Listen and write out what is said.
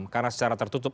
karena secara tertutup